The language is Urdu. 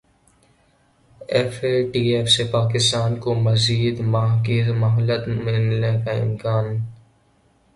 ایف اے ٹی ایف سے پاکستان کو مزید ماہ کی مہلت ملنے کا امکان